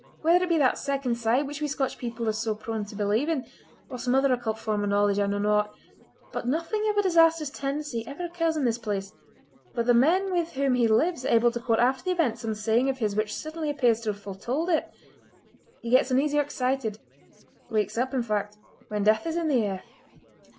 Whether it be that 'second sight' which we Scotch people are so prone to believe in, or some other occult form of knowledge, I know not, but nothing of a disastrous tendency ever occurs in this place but the men with whom he lives are able to quote after the event some saying of his which certainly appears to have foretold it. He gets uneasy or excited—wakes up, in fact—when death is in the air!"